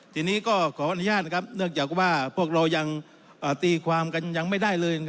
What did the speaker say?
ทีนี้ก็ขออนุญาตเนื่องจากว่าพวกเรายังตีความกันยังไม่ได้เลย